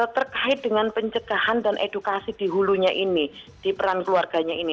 terkait dengan pencegahan dan edukasi di hulunya ini di peran keluarganya ini